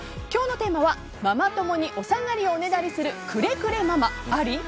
今日のテーマはママ友におさがりをおねだりするクレクレママあり？